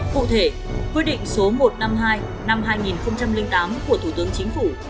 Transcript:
cụ thể quyết định số một trăm năm mươi hai năm hai nghìn tám của thủ tướng chính phủ